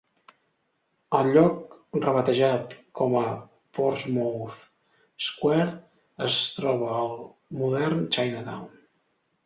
El lloc, rebatejat com a Portsmouth Square, es troba al modern Chinatown.